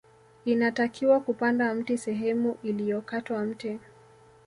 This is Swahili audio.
Inatakiwa kupanda mti sehemu iliyokatwa mti